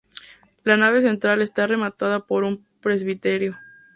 La nave central está rematada por un presbiterio.